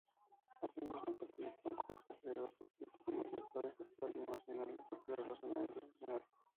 Asimismo participó como consejero político municipal, estatal y nacional del Partido Revolucionario Institucional.